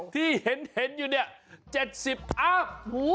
ที่เห็นอยู่เนี่ย๗๐ภาพ